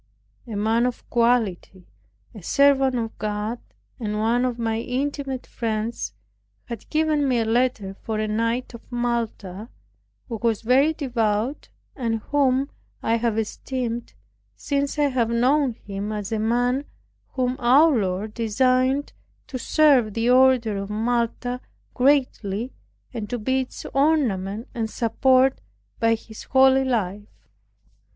A man of quality, a servant of God, and one of my intimate friends had given me a letter for a knight of Malta, who was very devout, and whom I have esteemed since I have known him, as a man whom our Lord designed to serve the order of Malta greatly, and to be its ornament and support by his holy life.